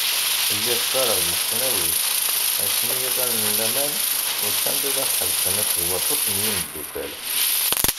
Lliɣ qqareɣ di tesnawit, asmi iɣallen n laman usan-d ad aɣ-ḥebsen akked waṭas n yimeddukkal.